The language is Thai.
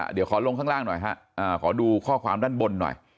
เดี๋ยวขอลงข้างล่างหน่อยฮะขอดูข้อความด้านบนหน่อย